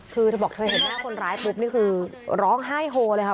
คือเธอบอกเธอเห็นหน้าคนร้ายปุ๊บนี่คือร้องไห้โฮเลยค่ะ